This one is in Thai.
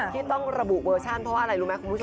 ที่ต้องระบุเวอร์ชันเพราะว่าอะไรรู้ไหมคุณผู้ชม